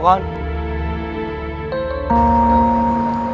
kita akan siap apa tuh